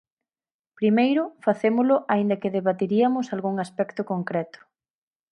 Primeiro, facémolo aínda que debateriamos algún aspecto concreto.